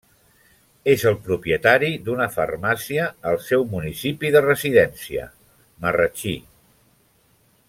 És el propietari d'una farmàcia al seu municipi de residència, Marratxí.